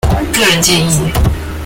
個人建議